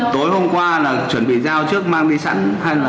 tối hôm qua là chuẩn bị dao trước mang đi sẵn hay là